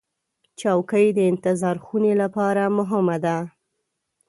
چوکۍ د انتظار خونې لپاره مهمه ده.